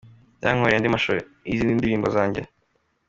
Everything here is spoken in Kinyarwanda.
Yankoreye andi mashusho y’izindi ndirimbo zanjye.